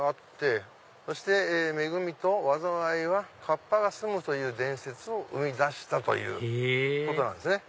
そして恵みと災いはカッパが住むという伝説を生み出したということなんですね。